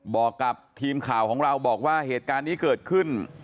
บอกกับทีมข่าวของเราบอกว่าเหตุการณ์นี้เกิดขึ้น